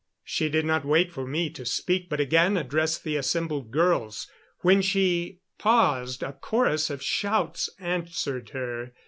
She did not wait for me to speak, but again addressed the assembled girls. When she paused a chorus of shouts answered her.